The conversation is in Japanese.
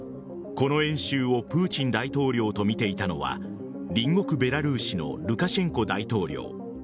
この演習をプーチン大統領と見ていたのは隣国・ベラルーシのルカシェンコ大統領。